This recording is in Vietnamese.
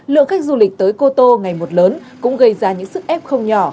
lượng khách du lịch tới cô tô ngày một lớn cũng gây ra những sức ép không nhỏ